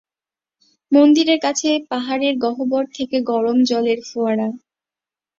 মন্দিরের কাছে পাহাড়ের গহ্বর থেকে গরম জলের ফোয়ারা।